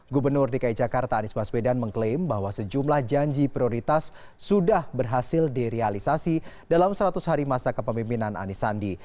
gubernur dki jakarta anies baswedan mengklaim bahwa sejumlah janji prioritas sudah berhasil direalisasi dalam seratus hari masa kepemimpinan anisandi